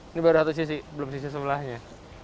ini baru ada satu sisi belum ada sisi sebelahnya